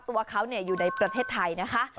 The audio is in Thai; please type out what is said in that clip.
ตัวเขาอยู่ในประเทศไทยนะคะ